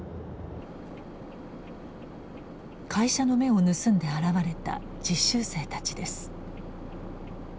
会社の目を盗んで現れた実習生たちです。